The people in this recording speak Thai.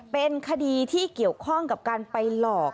เป็นคดีที่เกี่ยวข้องกับการไปหลอก